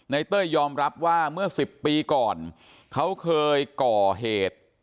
เต้ยยอมรับว่าเมื่อ๑๐ปีก่อนเขาเคยก่อเหตุ